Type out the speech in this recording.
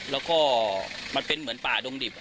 แล้วก็มันเป็นเหมือนป่าดงดิบ